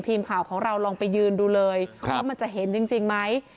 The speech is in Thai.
ทีมข่าวของเราลองไปยืนดูเลยว่ามันจะเห็นจริงไหม